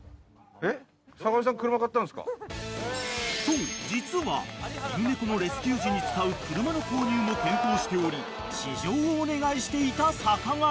［そう実は犬猫のレスキュー時に使う車の購入も検討しており試乗をお願いしていた坂上］